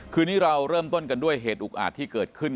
คืนนี้เราเริ่มต้นกันด้วยเหตุอุกอาจที่เกิดขึ้น